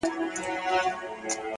علم د هدفونو درک آسانه کوي!.